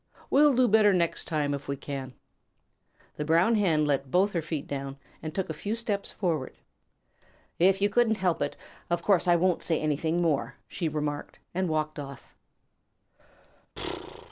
We'll do better next time if we can." The Brown Hen let both her feet down and took a few steps forward. "If you couldn't help it, of course I won't say anything more," she remarked, and walked off.